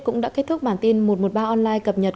cũng đã kết thúc bản tin một trăm một mươi ba online cập nhật